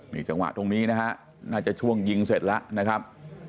นี่จังหวะตรงนี้นะฮะน่าจะช่วงยิงเสร็จแล้วนะครับ